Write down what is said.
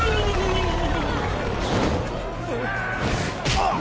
あっ！